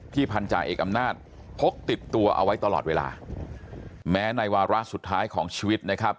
พันธาเอกอำนาจพกติดตัวเอาไว้ตลอดเวลาแม้ในวาระสุดท้ายของชีวิตนะครับ